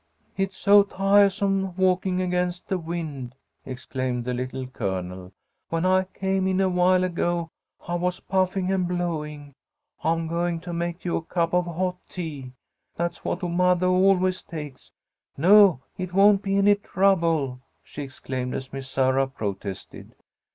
"It's so ti'ahsome walking against the wind," exclaimed the Little Colonel. "When I came in awhile ago, I was puffing and blowing. I'm going to make you a cup of hot tea. That's what mothah always takes. No! It won't be any trouble," she exclaimed, as Miss Sarah protested.